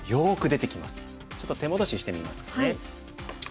ちょっと手戻ししてみますかね。